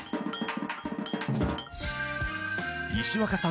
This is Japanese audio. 石若さん